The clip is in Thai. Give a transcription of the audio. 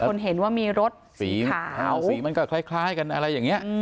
คนเห็นว่ามีรถสีขาวสีมันก็คล้ายกันอะไรอย่างนี้